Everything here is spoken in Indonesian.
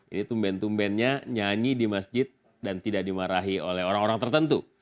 ini tumben tumbennya nyanyi di masjid dan tidak dimarahi oleh orang orang tertentu